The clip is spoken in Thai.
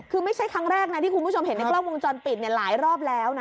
คือไม่ใช่ครั้งแรกนะที่คุณผู้ชมเห็นในกล้องวงจรปิดหลายรอบแล้วนะ